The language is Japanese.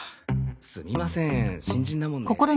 すみません新人なもんで。